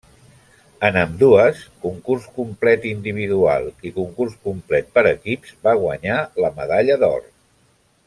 En ambdues, concurs complet individual i concurs complet per equips, va guanyar la medalla d'or.